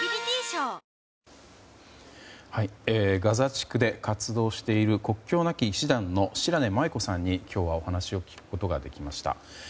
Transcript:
ガザ地区で活動している国境なき医師団の白根さんに今日はお話を聞くことができました。